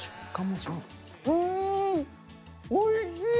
うんおいしい！